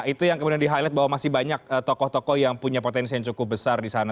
itu yang kemudian di highlight bahwa masih banyak tokoh tokoh yang punya potensi yang cukup besar di sana